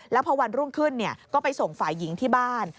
แล้วพอวันรุ่งขึ้นก็ไปส่งฝ่ายหญิงที่บ้าน